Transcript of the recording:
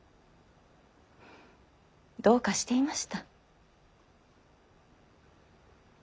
どうかしていました。